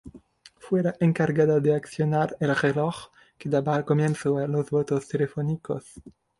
Fue la encargada de accionar el reloj que daba comienzo a los votos telefónicos.